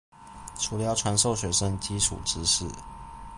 除了要傳授學生基礎知識